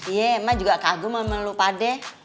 iya emang juga kagum sama lo pade